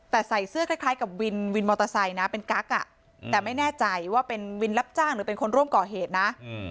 แต่ใส่เสื้อคล้ายกับวินวินมอเตอร์ไซค์นะเป็นกั๊กแต่ไม่แน่ใจว่าเป็นวินรับจ้างหรือเป็นคนร่วมก่อเหตุนะ